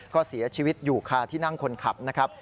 ก็เสียชีวิตอยู่คาที่นั่งคนขับนะครับ